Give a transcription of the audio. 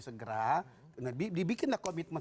segera dibikinlah komitmen